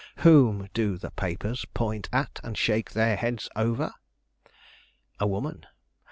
Whom do the papers point at and shake their heads over? A woman!